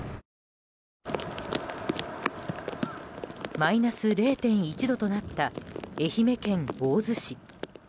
マイナス０．１度となった愛媛県大洲市。